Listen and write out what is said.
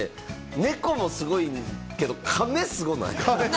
猫もすごいけれども、カメすごいない？